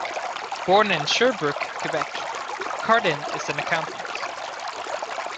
Born in Sherbrooke, Quebec, Cardin is an accountant.